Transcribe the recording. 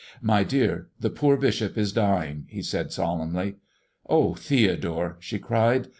"My dear, the poor bishop is dying," he said, solemnly. "Oh, Theodore!" she cried.